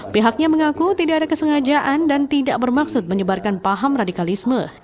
pihaknya mengaku tidak ada kesengajaan dan tidak bermaksud menyebarkan paham radikalisme